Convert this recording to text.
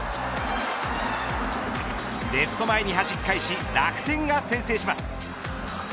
レフト前にはじき返し楽天が先制します。